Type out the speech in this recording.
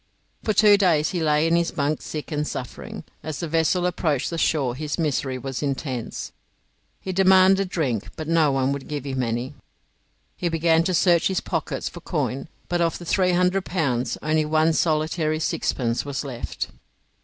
For two days he lay in his bunk sick and suffering. As the vessel approached the shore his misery was intense. He demanded drink, but no one would give him any. He began to search his pockets for coin, but of the 300 pounds only one solitary sixpence was left.